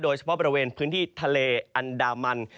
โดยเฉพาะบริเวณพื้นที่ทะเลอันดามัน